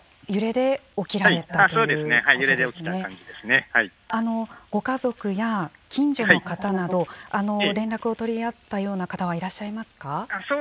揺れで起きた感ご家族や近所の方など、連絡を取り合ったような方はいらっしゃいますか。